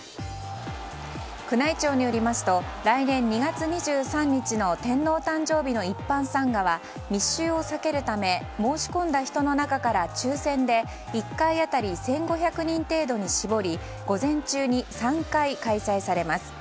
宮内庁によりますと来年２月２３日の天皇誕生日の一般参賀は密集を避けるため申し込んだ人の中から抽選で１回当たり１５００人程度に絞り午前中に３回開催されます。